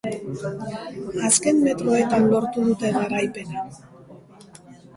Azken metroetan lortu dute garaipena.